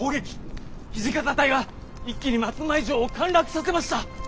土方隊が一気に松前城を陥落させました。